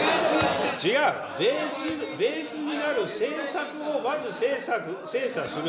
違う、ベースになる政策をまず精査する。